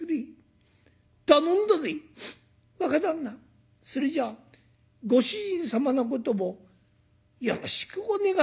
「若旦那それじゃご主人様のことをよろしくお願いいたします」。